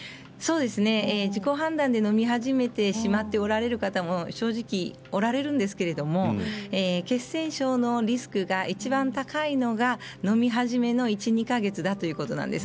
自己判断でのみ始めておられる方も正直いるんですけれども血栓症のリスクがいちばん高いのが飲み始めの１、２か月だということなんです。